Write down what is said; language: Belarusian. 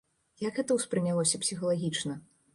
Як гэта ўспрынялося псіхалагічна?